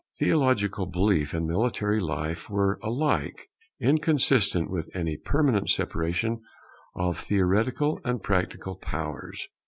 Theological belief and military life were alike inconsistent with any permanent separation of theoretical and practical powers.